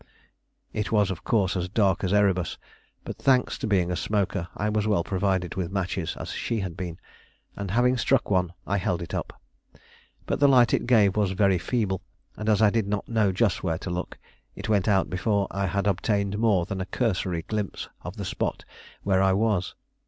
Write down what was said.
It was of course as dark as Erebus, but thanks to being a smoker I was as well provided with matches as she had been, and having struck one, I held it up; but the light it gave was very feeble, and as I did not know just where to look, it went out before I had obtained more than a cursory glimpse of the spot where I was.